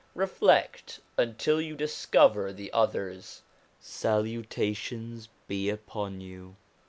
Reflect, until you discover the others. Salutations be upon you.